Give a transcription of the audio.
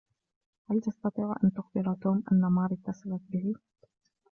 هل تستطيع أن تخبر توم أن ماري إتصلت به؟